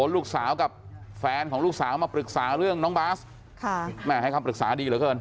ลูกสาวกับแฟนของลูกสาวมาปรึกษาเรื่องน้องบาสแม่ให้คำปรึกษาดีเหลือเกิน